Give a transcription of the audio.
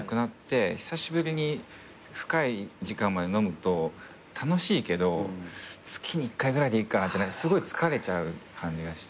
久しぶりに深い時間まで飲むと楽しいけど月に１回ぐらいでいっかなってすごい疲れちゃう感じがして。